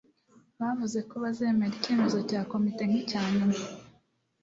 bavuze ko bazemera icyemezo cya komite nkicyanyuma